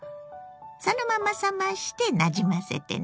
そのまま冷ましてなじませてね。